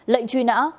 lệnh truy nã